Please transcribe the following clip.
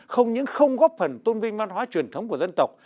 không những không góp phần tôn vinh văn hóa truyền thống của dân tộc